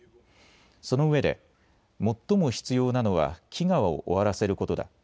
そのうえで、最も必要なのは飢餓を終わらせることだ。